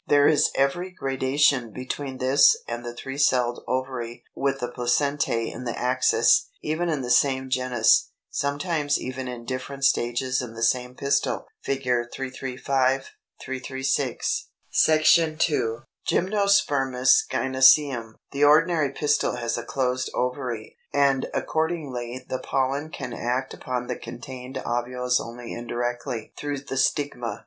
There is every gradation between this and the three celled ovary with the placentæ in the axis, even in the same genus, sometimes even in different stages in the same pistil (Fig. 335, 336). § 2. GYMNOSPERMOUS GYNŒCIUM. 313. The ordinary pistil has a closed ovary, and accordingly the pollen can act upon the contained ovules only indirectly, through the stigma.